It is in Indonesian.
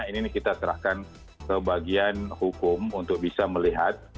ini kita serahkan ke bagian hukum untuk bisa melihat